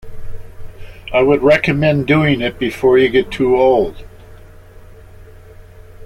I would recommend doing it before you get too old.